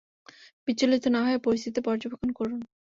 বিচলিত না হয়ে পরিস্থিতি পর্যবেক্ষণ করুন!